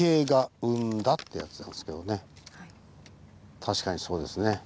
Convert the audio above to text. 確かにそうですね。